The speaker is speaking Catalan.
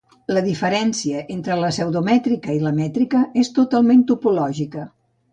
La diferència entre la pseudomètrica i la mètrica és totalment topològica.